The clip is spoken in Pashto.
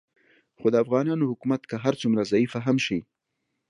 خو د افغانانو حکومت که هر څومره ضعیفه هم شي